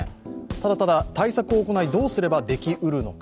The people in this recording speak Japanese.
ただただ対策を行いどうすればできうるのか。